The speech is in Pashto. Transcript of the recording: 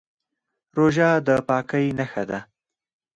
روژه د پاکۍ نښه ده.